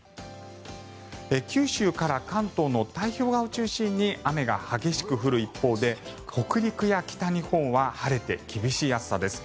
九州から関東の太平洋側を中心に雨が激しく降る一方で北陸や北日本は晴れて厳しい暑さです。